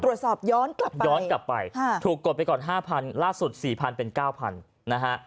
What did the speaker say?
ตรวจสอบย้อนกลับไปย้อนกลับไปถูกกดไปก่อน๕๐๐๐บาทล่าสุด๔๐๐๐เป็น๙๐๐๐บาท